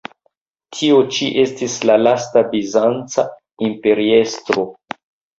Tio ĉi estis la lasta bizanca imperiestro.